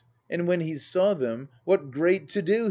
And when he saw them, "What great to do!"